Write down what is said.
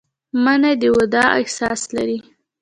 منی د وداع احساس لري